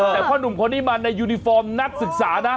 แต่พ่อหนุ่มคนนี้มาในยูนิฟอร์มนักศึกษานะ